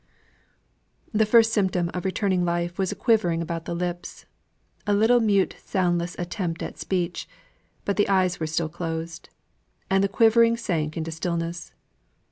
The first symptom of returning life was a quivering about the lips a little mute soundless attempt at speech; but the eyes were still closed; and the quivering sank into stillness.